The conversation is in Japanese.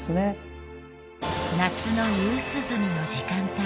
夏の夕涼みの時間帯。